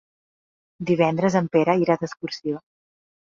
Divendres en Pere irà d'excursió.